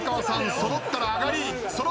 揃ったら上がり。